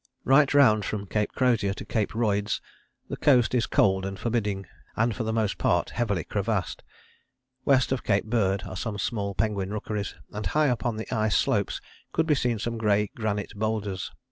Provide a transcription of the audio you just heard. " Right round from Cape Crozier to Cape Royds the coast is cold and forbidding, and for the most part heavily crevassed. West of Cape Bird are some small penguin rookeries, and high up on the ice slopes could be seen some grey granite boulders.